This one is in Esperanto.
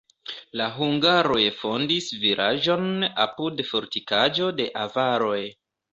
La hungaroj fondis vilaĝon apud fortikaĵo de avaroj.